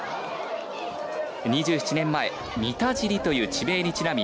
２７年前三田尻という地名にちなみ